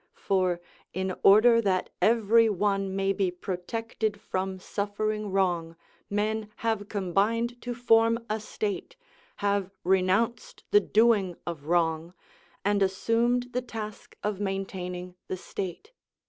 For, in order that every one may be protected from suffering wrong, men have combined to form a state, have renounced the doing of wrong, and assumed the task of maintaining the state.